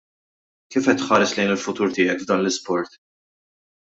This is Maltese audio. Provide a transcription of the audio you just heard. Kif qed tħares lejn il-futur tiegħek f'dan l-isport?